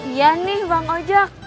iya nih bang ojek